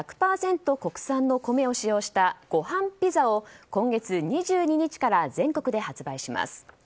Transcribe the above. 国産の米を使用したごはんピザを今月２２日から全国で発売します。